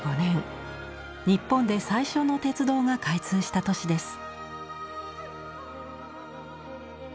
日本で最初の鉄道が開通した年です。